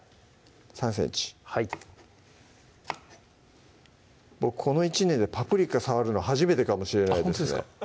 ３ｃｍはい僕この１年でパプリカ触るの初めてかもしれないですね